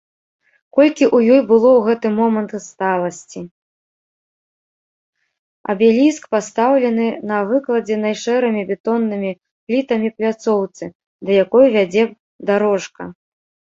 Абеліск пастаўлены на выкладзенай шэрымі бетоннымі плітамі пляцоўцы, да якой вядзе дарожка.